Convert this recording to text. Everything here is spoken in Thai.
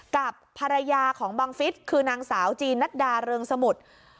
กับภรรยาของบังฟิศคือนางสาวจีนนัดดาเริงสมุทร